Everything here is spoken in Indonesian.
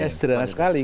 ya sederhana sekali